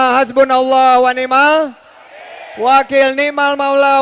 wa'alaikumussalam warahmatullahi wabarakatuh